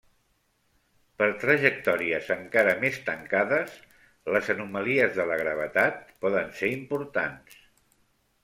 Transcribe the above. Per trajectòries encara més tancades, les anomalies de la gravetat poden ser importants.